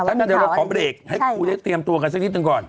ถ้าเกิดเราขอบไปเด็กให้คุยกันเตรียมตัวกันสักนิดหนึ่งก่อน